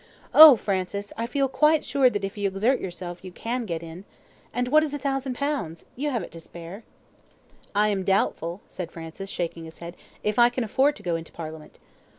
Oh! Francis, I feel quite sure that if you exert yourself you can get in. And what is a thousand pounds? you have it to spare." "I am doubtful," said Francis, shaking his head, "if I can afford to go into Parliament."